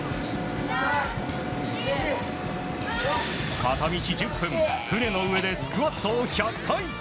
片道１０分船の上でスクワットを１００回。